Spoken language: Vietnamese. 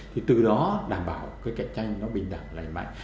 thì từ đó đảm bảo cái cạnh tranh nó bình đẳng lành mạnh